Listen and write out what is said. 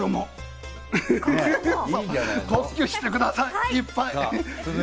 呼吸をしてください、いっぱい。